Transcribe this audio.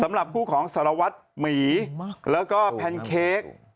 สำหรับคู่ของสารวัตรหมีแล้วก็แพนเค้ก